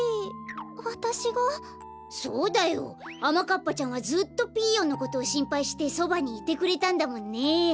かっぱちゃんはずっとピーヨンのことをしんぱいしてそばにいてくれたんだもんね。